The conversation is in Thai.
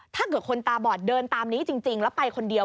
ถ้าเกิดคนตาบอดเดินตามนี้จริงแล้วไปคนเดียว